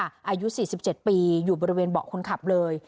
อายุ๔๗ปีอยู่บริเวณเบาะคนขับเลย